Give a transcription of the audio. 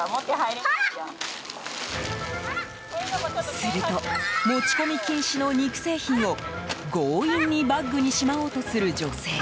すると持ち込み禁止の肉製品を強引にバッグにしまおうとする女性。